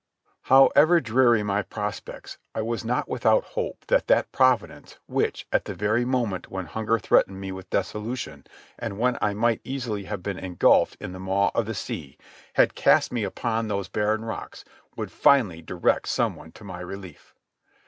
However dreary my prospects, I was not without hope that that Providence, which, at the very moment when hunger threatened me with dissolution, and when I might easily have been engulfed in the maw of the sea, had cast me upon those barren rocks, would finally direct some one to my relief.